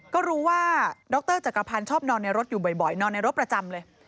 ก็รู้ว่าดรจักรพันธ์ชอบนอนในรถอยู่บ่อยนอนในรถประจำเลย